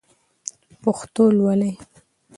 پښتو لولئ!